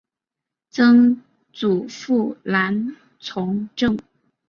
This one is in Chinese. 曾祖父兰从政。